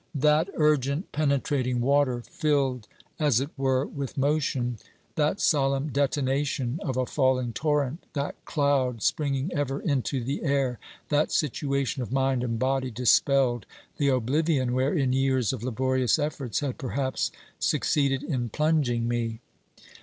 That urgent, penetrating water, filled, as it were, with motion ; that solemn detonation of a falling torrent ; that cloud, springing ever into the air; that situation of mind and body dispelled the oblivion wherein years of laborious efforts had perhaps succeeded in plunging me.